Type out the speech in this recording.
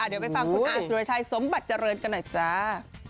เดี๋ยวไปฟังคุณอาสุรชัยสมบัติเจริญกันหน่อยจ้า